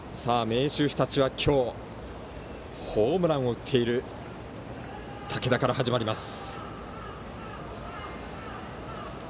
明秀日立は今日ホームランを打っている武田から始まります。